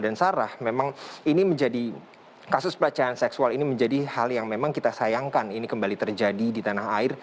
dan sarah memang ini menjadi kasus pelacahan seksual ini menjadi hal yang memang kita sayangkan ini kembali terjadi di tanah air